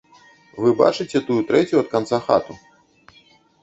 Вы бачыце тую трэцюю ад канца хату.